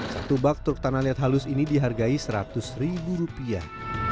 satu bak truk tanah liat halus ini dihargai seratus ribu rupiah